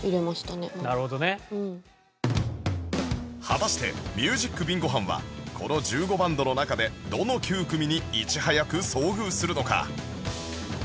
果たして ＭＵＳＩＣＢＩＮＧＯ 班はこの１５バンドの中でどの９組にいち早く遭遇するのか？